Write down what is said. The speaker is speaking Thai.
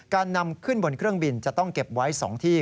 การนำขึ้นบนเครื่องบินจะต้องเก็บไว้๒ที่